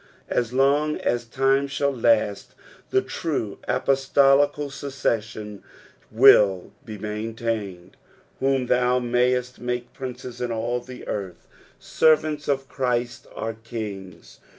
As long as time shall last, the true apostolical succession will be maintained. "" Wham thou mayetl make prineet in M the earth." Servants of Christ are kings.